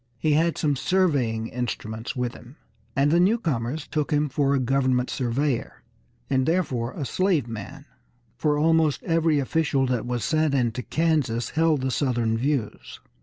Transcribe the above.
He had some surveying instruments with him, and the newcomers took him for a government surveyor and therefore a slave man, for almost every official that was sent into Kansas held the Southern views.